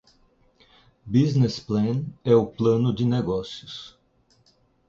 Business Plan é o plano de negócios.